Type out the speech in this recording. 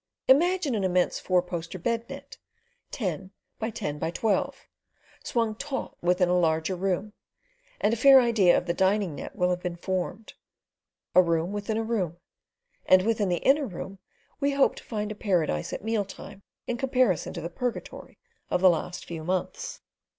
Imagine an immense four poster bed net, ten by ten by twelve, swung taut within a larger room, and a fair idea of the dining net will have been formed. A room within a room, and within the inner room we hoped to find a paradise at mealtime in comparison to the purgatory of the last few months.